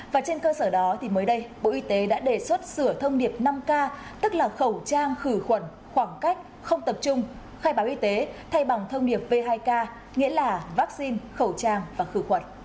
và trên cơ sở đó thì mới đây bộ y tế đã đề xuất sửa thông điệp năm k tức là khẩu trang khử khuẩn khoảng cách không tập trung khai báo y tế thay bằng thông điệp v hai k nghĩa là vaccine khẩu trang và khử khuẩn